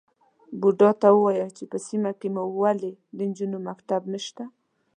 _بوډا ته ووايه چې په سيمه کې مو ولې د نجونو مکتب نشته؟